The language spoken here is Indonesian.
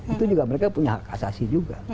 itu juga mereka punya hak asasi juga